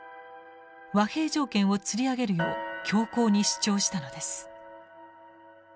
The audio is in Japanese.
和平条件をつり上げるよう強硬に主張したのです。